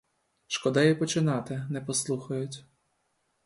Шкода й починати, не послухають.